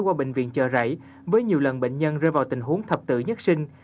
qua bệnh viện trà rẫy với nhiều lần bệnh nhân rơi vào tình huống thập tự nhất sinh